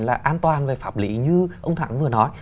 là an toàn về pháp lý như ông thẳng vừa nói